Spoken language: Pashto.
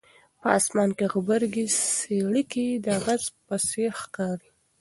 په اسمان کې غبرګې څړیکې د غضب په څېر ښکاري.